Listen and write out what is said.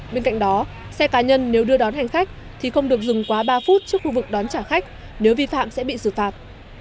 bên cạnh đó xe cá nhân nếu đưa đón hành khách thì không được dừng quá ba phút trước khu vực đón trả khách nếu vi phạm sẽ bị xử phạt